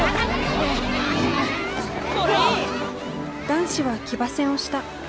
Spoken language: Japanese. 男子は騎馬戦をした。